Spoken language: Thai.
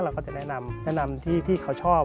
เราก็จะแนะนำแนะนำที่เขาชอบ